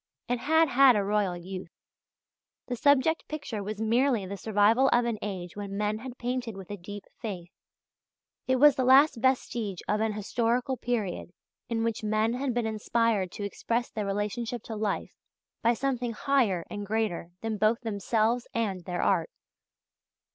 It had had a royal youth. The subject picture was merely the survival of an age when men had painted with a deep faith. It was the last vestige of an historical period in which men had been inspired to express their relationship to life by something higher and greater than both themselves and their art.